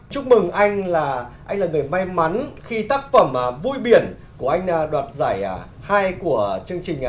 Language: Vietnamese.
chúc mừng anh là anh là người may mắn khi tác phẩm vui biển của anh đoạt giải hai của chương trình